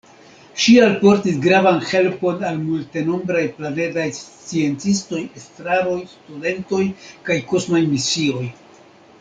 Ŝi alportis gravan helpon al multenombraj planedaj sciencistoj, estraroj, studentoj kaj kosmaj misioj.